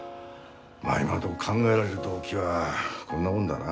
まあ今のところ考えられる動機はこんなもんだな。